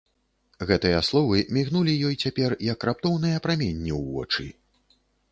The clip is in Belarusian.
Гэтыя словы мігнулі ёй цяпер, як раптоўныя праменні ў вочы.